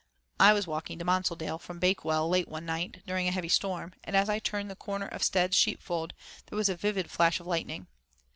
I was walking to Monsaldale from Bakewell late one night during a heavy storm, and as I turned the corner of Stead's sheep fold there was a vivid flash of lightning.